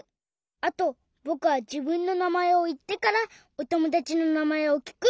あとぼくはじぶんのなまえをいってからおともだちのなまえをきく！